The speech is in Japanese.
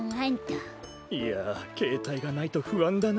いやけいたいがないとふあんだな。